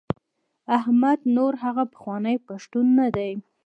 احمد نور هغه پخوانی پښتون نه دی.